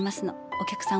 お客さん